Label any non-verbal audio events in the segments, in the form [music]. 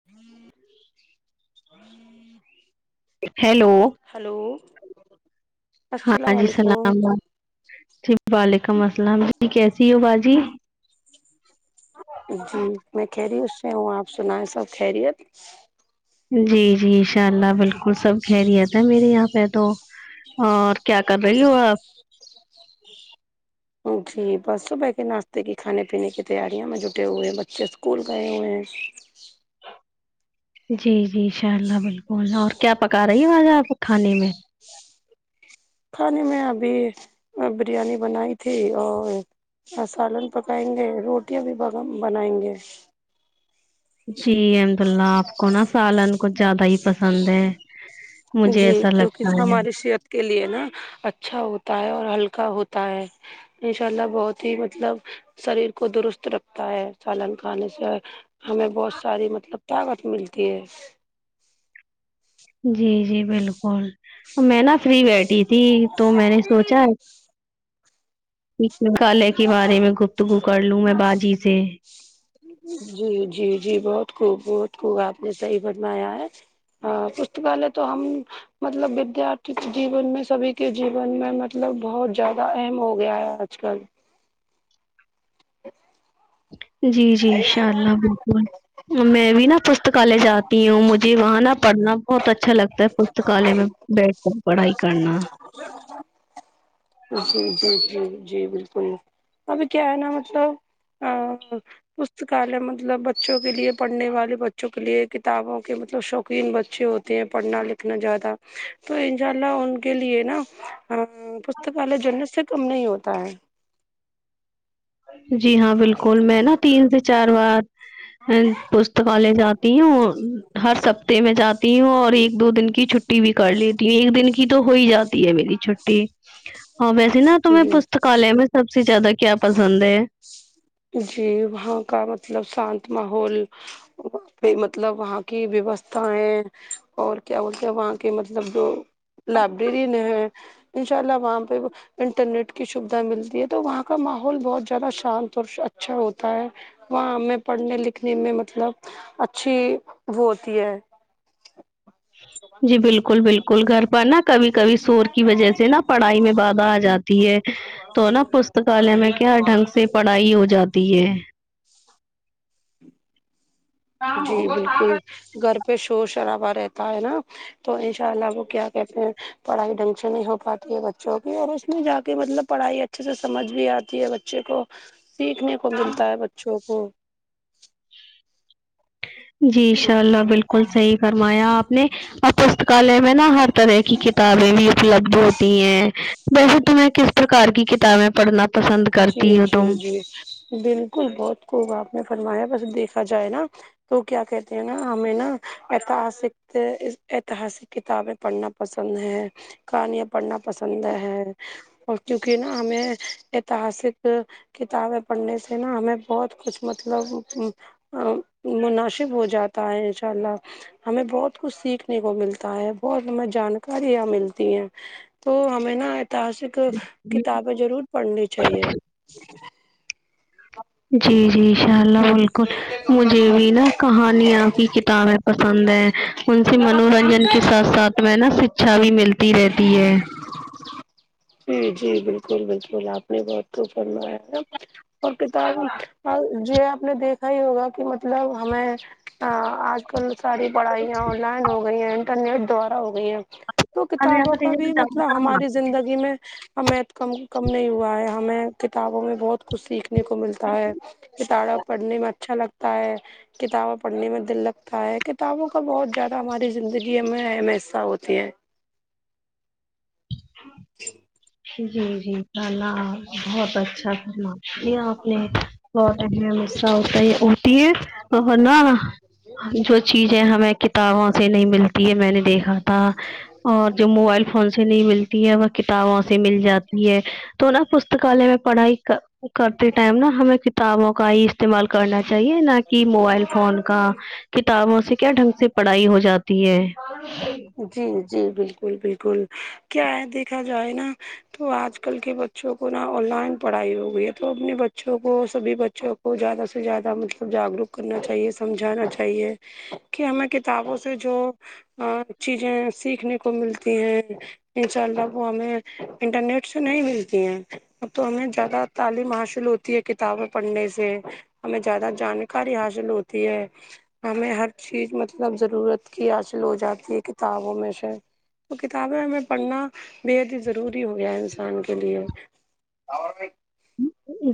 [inaudible] hello hello ہاں السلام جی علیکم سلام جی وعلیکم السلام جی کیسی ہو باجی جی میں خیریت سے ہوں آپ سنیں سب خیریت جی جی ان شاء اللہ بالکل سب خیریت ہے میرے یہاں پے تو اور کیا کر رہی ہو آپ جی بس صبح کے ناشتے کی کھانے پینے کی تیاریوں میں جٹے ہوئے ہیں بچے اسکول گئے ہوئے ہیں جی جی ان شاء اللہ بالکل اور کیا پکا رہی ہو آج آپ کھانے میں کھانے میں ابھی بریانی بنائی تھی اور سالن پکائیں گے روٹیاں بھی بگم بنائیں گے جی الحمد اللہ آپ کو نا سالن کچھ زیادہ ہی پسند ہے مجھے جی ایسا کیونکی لگتا ہے ہماری صحت کے لیے نا اچھا ہوتا ہے اور ہلکا ہوتا ہے ان شاء اللہ بہت ہی مطلب شریر کو درست رکھتا ہے سالن کھانے سے ہمیں بہت ساری مطلب طاقت ملتی ہے جی جی بالکل میں نا فری بیٹھی تھی تو میں نے سوچا نکالے کے بارے میں گفتگو کر لوں میں باجی سے جی جی جی بہت خوب بہت خوب آپ نے صحیح بنوایا ہے ہاں پستکالے تو ہم مطلب ودیارتھی کے جیون میں سبھی کے جیون میں مطلب بہت زیادہ اہم ہو گیا ہے آج کل جی جی ان شاء اللہ بالکل میں بھی نا پستکالے جاتی ہوں مجھے وہاں نہ پڑھنا بہت اچھا لگتا ہے تو کالج میں بیٹھ کر پڑھائی کرنا جی جی جی جی بالکل ابھی کیا ہے نا مطلب آ پستکالیہ مطلب بچوں کے لیے پڑھنے والے بچوں کے لیے کتابوں کے مطلب شوق قین بچے ہوتے ہیں پڑھنا لکھنا زیادہ تو انشاء اللہ ان کے لیے نا ہاں پستکالے جنت سے کم نہیں ہوتا ہے جی ہاں بالکل میں نا تین سے چار بار پوس پستکالے جاتی ہوں ہر سفتے میں جاتی ہوں اور ایک دو دن کی چٹ چھٹی بھی کر لیتی ہیں ایک دن کی تو ہو ہی جاتی ہے میری چھٹ ہاں ویسے نا تمہیں جی پستکالے میں سب سے زیادہ کیا پسند ہے جی وہاں کا مطلب شانت ماحول پے مطلب وہاں کی ویوستھا ہے اور کیا بولتے ہیں وہاں کے مطلب جو لائبریرین ہے ان شاء اللہ وہاں پے انٹرنیٹ کی سویدھا ملتی ہے تو وہاں کا ماحول بہت زیادہ شانت تو اچھا ہوتا ہے وہاں ہم میں پڑھنے لکھنے میں مطلب اچھی وہ ہوتی ہے جی بالکل بالکل گھر پر نا کبھی کبھی شور کی وجہ سے نا پڑھائی میں بادھا آ جاتی تو نا پستکالے میں کیا ڈھنگ سے پڑھائی ہو جاتی ہے ا جی بالکل گھر پے شور شرابہ رہتا ہے نا تو ان شاء اللہ وہ کیا کہتے ہیں پڑھائی ڈھنگ سے نہیں ہو پاتی ہے بچوں کی اور اس میں جا کے مطلب پڑھائی اچ اچھے سے سمجھ بھی آتی ہے بچے کو سیکھنے کو ملتا ہے بچوں کو جی ان شاء اللہ بالکل صحیح فرمایا آپ نے اور پستکالے میں نا ہر طرح کی کتابیں بھی اپلبدھ ہوتی ہیں ویسے تمہیں کس پرکار کی کتابیں پڑھنا پسند جی کرتی ہو جی تم جی بالکل بہت خوب آپ نے فرمایا بس دیکھا جائے نا تو کیا کہتے ہیں نا ہمیں نا ایتہاسک ایتہاسک کتابیں پڑھنا پسند ہے کہانیاں پڑھنا پسند ہے اور کیونکہ نا ہمیں آیں تسک کتابیں پڑھنے سے نا ہمیں بہت کچھ مطلب ا مناسب ہو جاتا ہے ان شاء اللہ ہمیں بہت کچھ سیکھنے کو ملتا ہے بہت ہمیں جانکاریاں ملتی ہیں تو ہمیں نا ایتہاسک کتابیں ضرور پڑھنی چاہیے جی جی انشاء اللہ بالک مجھے بھی نا کہانیاں کی کتابیں پسند ہیں ان اس منورنجن کے ساتھ ساتھ میں نا شکشا بھی ملتی رہتی ہے جی جی بالکل بالکل آپ نے بہت خوب فرمایا ہے اور کتاب اور یہ آپ نے دیکھا ہی ہوگا کہ مطلب ہمیں آج کل ساری پڑھائیاں آن لائن ہو گئی ہیں انٹرنیٹ دوارا ہو گئی ہیں تو کتابوں کا بھی مطلب ہماری زندگی میں ہمیں کم کم نہیں ہوا ہے ہمیں کتابوں میں بہت کچھ سیکھنے کو ملتا ہے کتابیں پڑھنے میں اچھا لگتا ہے کتابیں پڑھنے میں دل لگتا ہے کتابوں کا بہت زیادہ ہماری زندگی میں اہم حصہ ہوتی ہیں ہ [inaudible] جی جی انشاءاللہ آپ بہت اچھا فرماتی ہے آپ نے بہت اہم حصہ ہوتا ہے یہ اڑ ہے اور نا جو چیزیں ہمیں کتابوں سے نہیں ملتی ہے میں نے دیکھا تھا اور جو موبائل فون سے نہیں ملتی ہے وہ کتابوں سے مل جاتی ہے تو نا پستکالیہ میں پڑھائی کرتے ٹائم نا ہمیں کتابوں کا ہی استعمال کرنا چاہیے نہ کہ موبائل فون کا کتابوں سے کیا ڈھنگ سے پڑھائی ہو جاتی ہے جی جی بالکل بالکل کیا ہے دیکھا جائے نا تو آج کل کے بچوں کو نا آن لائن پڑھائی ہو گئی ہے تو اپنے بچوں کو سبھی بچوں کو زیادہ سے زیادہ مطلب جاگروک کرنا چاہیے سمجھانا چاہیے کہ ہمیں کتابوں سے جو چیزیں سیکھنے کو ملتی ہیں انشاء اللہ وہ ہمیں انٹرنیٹ سے نہیں ملتی ہیں ا تو ہمیں زیادہ تعلیم حاصل ہوتی ہے کتابیں پڑھنے سے ہمیں زیادہ جانکاری حاصل ہوتی ہے ہمیں ہر چیز مطلب ضرورت کی حاصل ہو جاتی ہے کتابوں میں سے تو کتابیں ہمیں پڑھنا بے حد ہی ضروری ہو گیا ہے انسان کے لیے اور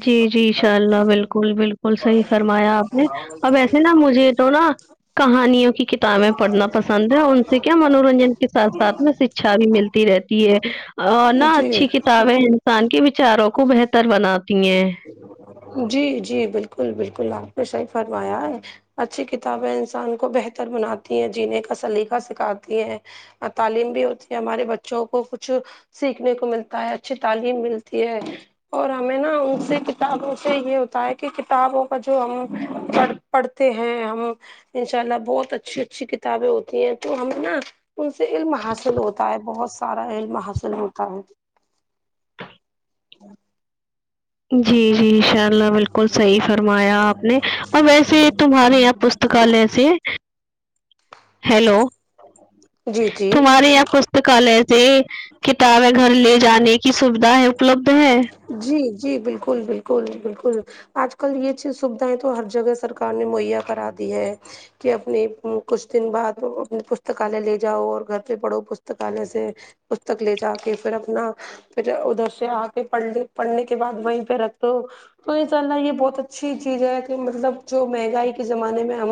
جی جی ان شاء اللہ بالکل بالکل بالکل صحیح فرمایا آپ نے اب ایسے نا مجھے تو نا کہانیوں کی کتابیں پڑھنا پسند ہے ان سے کیا منورنجن کے ساتھ ساتھ میں شکچھا بھی ملتی رہتی ہے اور نہ جی اچھی کتابیں انسان کے وچاروں کو بہتر بناتی ہیں جی جی بالکل بالکل آپ نے صحیح فرمایا ہے اچھی کتابیں انسان کو بہتر بناتی ہیں جینے کا سلیقہ سکھاتی ہیں تعلیم بھی ہوتی ہے ہمارے بچوں کو کچھ سیکھنے کو ملتا ہے اچھی تعلیم ملتی ہے اور ہمیں نا ان سے کتابوں سے یہ ہوتا ہے کہ کتابوں کا جو ہم پڑ پڑھتے ہیں ہم انشاء اللہ بہت اچھی اچھی کتابیں ہوتی ہیں تو ہم نا ان سے علم حاصل ہوتا ہے بہت سارا علم حاصل ہوتا ہے جی جی ان شاء اللہ بالکل صحیح فرمایا آپ نے اور ویسے تمہارے یہاں پستکالسی ہیلو جی جی تمہارے یہاں کچھ تو کال ایسے کتابیں گھر لے جانے کی سویدھا ہے اپلبدھ ہے جی جی بالکل بالکل بالکل آج کل یہ چیز سویدھائیں تو ہر جگہ سرکار نے مہیا کرا دی ہے کہ اپنی کچھ دن بعد اپنے پستکالیہ لے جاؤ اور گھر پہ پڑھو پستکالیہ سے پستک لے جا کے پھر اپنا پھر ادھر سے آ کے پڑھلے پڑھنے کے بعد وہیں پہ رکھ تو تو انساء اللہ یہ بہت اچھی چیز ہے کہ مطلب جو مہنگائی کے زمانے میں ہم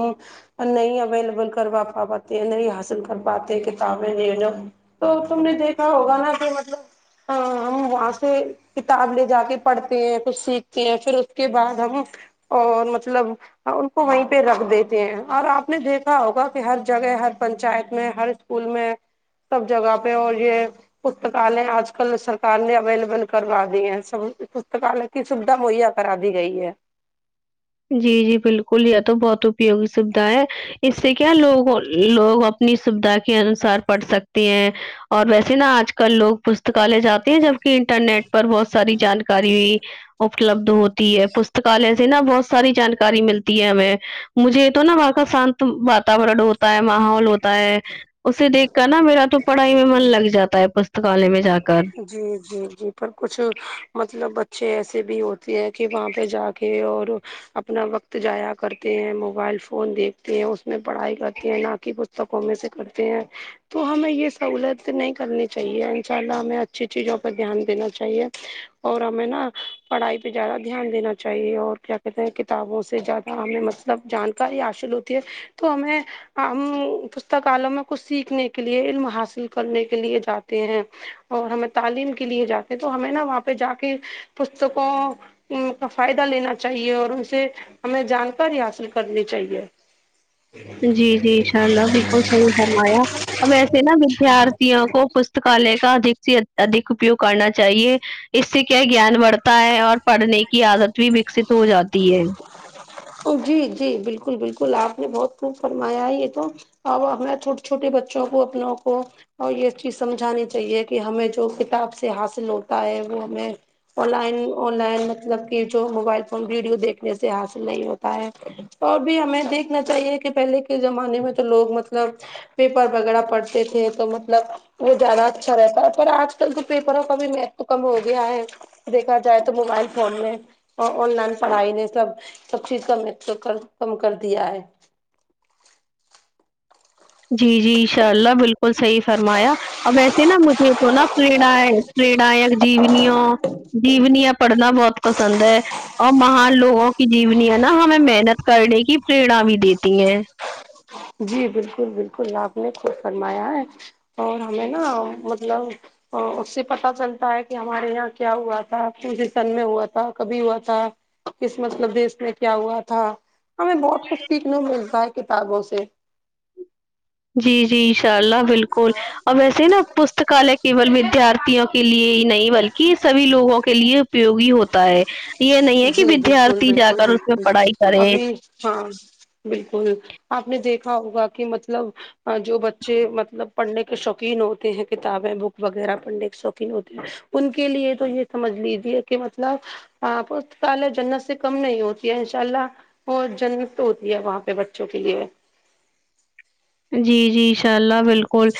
نہیں اویلیبل کروا پا پاتے ہیں نہیں حاصل کر پاتے کتابیں نہیں ہے نہ تو تم نے دیکھا ہوگا نا کہ مطلب ہم وہاں سے کتاب لے جا کے پڑھتے ہیں کچھ سیکھتے ہیں پھر اس کے بعد ہم اور مطلب ان کو وہیں پہ رکھ دیتے ہیں اور آپ نے دیکھا ہوگا کہ ہر جگہ ہر پنچایت میں ہر اسکول میں سب جگہ پہ اور یہ پستکالے آج کل سرکار نے اویلیبل کروا دی ہیں س پستکالیہ کی سویدھا مہیا کرا دی گئی ہے جی جی بالکل یہ تو بہت اپیوگی سویدھا ہے اس سے کیا لوگ لوگ اپنی سویدھا کے انوسار پڑھ سکتے ہیں اور ویسے نا آج کل لوگ پس پستکالے جاتے ہیں جبکہ انٹرنیٹ پر بہت ساری جانکاری اپلبد ہوتی ہے پستکالے سے نا بہت ساری جانکاری ملتی ہے ہمیں مجھے تو نا وہاں کا شانت واتاورن اور ہوتا ہے ماحول ہوتا ہے اسے دیکھ کر نا میرا تو پڑھائی میں من لگ جاتا ہے پستکالے میں جا کے جی جی جی پر کچھ مطلب بچے ایسے بھی ہوتے ہیں کہ وہاں پہ جا کے اور اپنا وقت جایا کرتے ہیں موبائل فون دیکھتے ہیں اس میں پڑھائی کرتے ہیں ن کی پستکوں میں سے کرتے ہیں تو ہمیں یہ سہولت نہیں کرنی چاہیے ان شاء اللہ ہمیں اچھی چیزوں پہ دھیان دینا چاہیے اور ہمیں نا پڑھائی پہ زیادہ دھیان دینا چاہیے اور کیا کہتے ہیں کتابوں سے زیادہ ہمیں مطلب جانکاری حاصل ہوتی ہے تو ہمیں ہم پستکالم میں کچھ سیکھنے کے لیے علم حاصل کرنے کے لیے جاتے ہیں اور ہمیں تعلیم کے لیے جاتے تو ہمیں نا وہاں پہ جا کے پستکوں ان کا فائدہ لینا چاہیے اور انسے ہمیں جانکاری حاصل کرنی چاہیے جی جی انشاء اللہ بالکل صحیح فرمایا اب ایسے نا ودیارتھیوں کو پس پستکالیہ کا ادک سے ادھک اپیوگ کرنا چاہیے اس سے کیا گیان بڑھتا ہے اور پڑھنے کی عادت بھی وکست ہو جاتی ہے جی جی بالکل بالکل آپ نے بہت خوب فرمایا ہے یہ تو ا ہمیں چھوٹے چھوٹے بچوں کو اپنوں کو اور یہ چیز سمجھانی چاہیے کہ ہمیں جو کتاب سے حاصل ہوتا ہے وہ ہمیں آن لائن اور آن لائن مطلب کہ جو موبائل فون ویڈیو دیکھنے سے حاصل نہیں ہوتا ہے اور بھی ہمیں دیکھنا چاہیے کہ پہلے کے زمانے میں تو لوگ مطلب پیپر وغیرا پڑتے تھے تو مطلب وہ زیادہ اچھا رہتا ہے پر آج کل تو پیپروں کا بھی میتھ تو کم ہو گیا ہے دیکھا جائے تو موبائل فون میں اور آن لائن پڑھائی نے سب سب چیز کا محتتکم کم کر کم کر دیا ہے جی جی ان شاء اللہ بالکل صحیح فرمایا اب ایسے نا مجھے تو نا پریڑ آئے پریڑایا جینیوں جینییاں پڑھنا بہت پسند ہے اور مہان لوگوں کی جیونی ہے نا ہمیں محنت کرنے کی پرریرنا بھی دیتی ہیں جی بالکل بالکل آپ نے خود فرمایا ہے اور ہمیں نا مطلب اس سے پتا چلتا ہے کہ ہمارے یہاں کیا ہوا تھا کونسے سن میں ہوا تھا کبھی ہوا تھا کس مطلب دیس میں کیا ہوا تھا ہمیں بہت کچھ سیکھنا ملتا ہے کتابوں سے جی جی ان شاء اللہ بالکل اور ویسے نا پستکالیہ کےول ودارتھیوں کے لیے ہی نہیں بلکہ سبھی لوگوں کے لیے اپیوگی ہوتا ہے یہ نہیں ہے کہ جی بالکل ودیارتھی جا بالکل کر اس میں بالکل پڑھائی کریں ابھی ہاں بالکل آپ نے دیکھا ہوگا کہ مطلب اور جو بچے مطلب پڑھنے کے شوقین ہوتے ہیں کتابیں بک وغیرہ پڑھنے کے شوقین ہوتے ہیں ان کے لیے تو یہ سمجھ لیجیے کہ مطلب آپ اعلی جنت سے کم نہیں ہوتی ہے ان شاء اللہ اور جنت ہوتی ہے وہاں پہ بچوں کے لیے جی جی ان شاء اللہ بالکل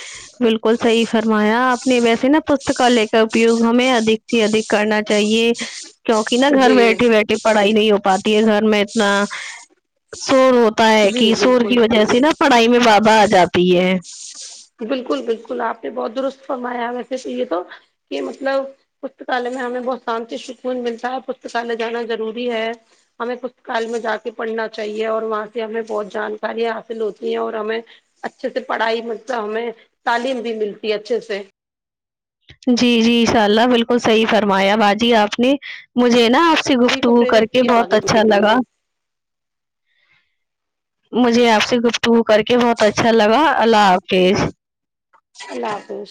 بالکل صحیح فرمایا آپ نے ویسے نا پستکالے کر اپیوگ ہمیں ادک سے ادھک کرنا چاہیے کیونکہ نا گھر جی بیٹھی بیٹھی پڑھائی نہیں ہو پاتی ہے گھر میں اتنا شور ہوتا ہوتا ہے جی کہ شور کی بالکل وجہ سے نا پڑھائی میں بادھا آ جاتی ہے بالکل بالکل آپ نے بہت درست فرمایا ویسے تو یہ تو کہ مطلب پستکالیہ میں ہمیں بہت شانتی سکون ملتا ہے پستکالیہ جانا ضروری ہے ہمیں پتکال میں جا کے پڑھنا چاہیے اور وہاں سے ہمیں بہت جانکارییاں حاصل ہوتی ہیں اور ہمیں اچھے سے پڑھائی مطلب ہمیں تعلیم بھی ملتی ہے اچھے سے جی جی ان شاء اللہ بالکل صحیح فرمایا باجی آپ نے مجھے نا آ اچھی سبھی کو گفٹگو کر پریرت کے کیا بہت آگے کے اچھا لیے لگا مجھے آپ سے گفتگو کر کے بہت اچھا لگا اللہ حافظ اللہ حافظ